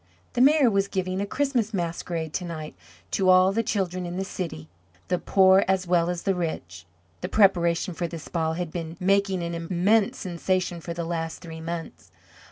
The Mayor was giving a Christmas Masquerade tonight to all the children in the city, the poor as well as the rich. The preparation for this ball had been making an immense sensation for the last three months.